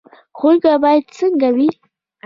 ښوونکی باید څنګه وي؟